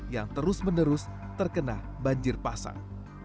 yang terus menerus terkena banjir pasang